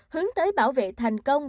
hướng tới bảo vệ thành công